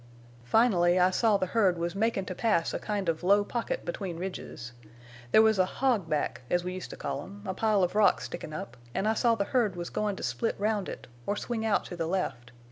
Finally I saw the herd was makin' to pass a kind of low pocket between ridges. There was a hog back—as we used to call 'em—a pile of rocks stickin' up, and I saw the herd was goin' to split round it, or swing out to the left.